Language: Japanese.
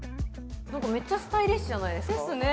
何かめっちゃスタイリッシュじゃないですか？